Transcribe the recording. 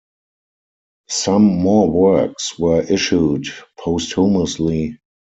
Some more works were issued posthumously.